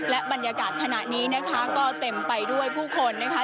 และบรรยากาศขณะนี้นะคะก็เต็มไปด้วยผู้คนนะคะ